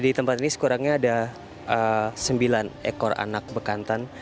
di tempat ini sekurangnya ada sembilan ekor anak bekantan